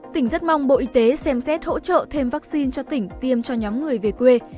tỉnh rất mong bộ y tế xem xét hỗ trợ thêm vaccine cho tỉnh tiêm cho nhóm người về quê